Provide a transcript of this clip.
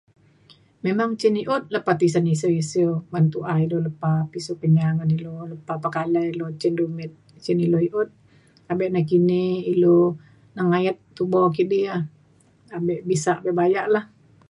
memang cin i’ut lepa tisen isiu isiu ban tu’a ida lepa pisu Kenyah ngan ilu lepa pekalai ilu cin dumit cin ilu i’ut abe nakini ilu nengayet tubo kidi ia’. abe bisak abe bayak lah.